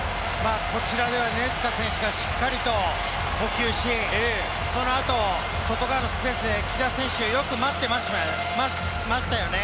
根塚選手がしっかりと捕球し、その後、外側のスペースで木田選手、よく待ってましたよね。